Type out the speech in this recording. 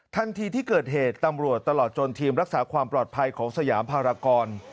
ทันทีที่เกิดเหตุตำรวจตลอดจนทีมรักษาความปลอดภัยของสยามภารกร